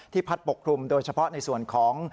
พัดปกคลุมโดยเฉพาะในส่วนของ